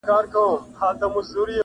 له آدمه تر دې دمه دا قانون دی -